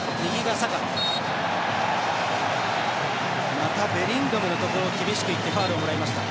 またベリンガムのところ厳しくいってファウルをもらいました。